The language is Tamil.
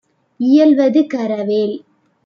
இயல்வது கரவேல்.